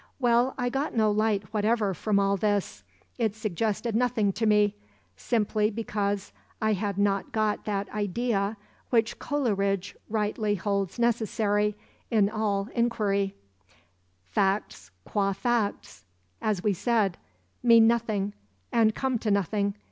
Well, I got no light whatever from all this; it suggested nothing to me—simply because I had not got that 'idea' which Coleridge rightly holds necessary in all inquiry; facts qua facts, as we said, mean nothing and come to nothing.